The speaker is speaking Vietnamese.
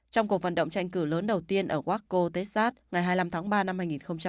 trong cuộc vận động tranh cử lớn đầu tiên ở wako texas ngày hai mươi năm tháng ba năm hai nghìn hai mươi